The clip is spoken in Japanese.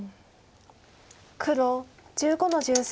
黒１５の十三。